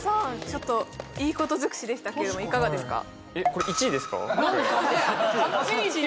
ちょっといいこと尽くしでしたけれどもいかがですか？